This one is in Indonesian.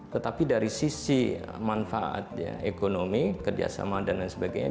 tetapi dari sisi manfaat ekonomi kerjasama dan lain sebagainya